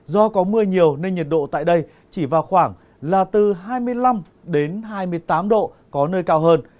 do có mưa nhiều nên nhiệt độ tại đây chỉ vào khoảng là từ hai mươi năm đến hai mươi tám độ có nơi cao hơn